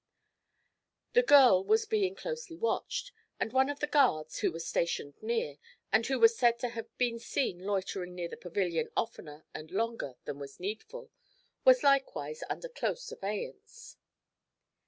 The girl was being closely watched, and one of the guards, who was stationed near, and who was said to have been seen loitering near the pavilion oftener and longer than was needful, was likewise under close surveillance.